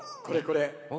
これこれ。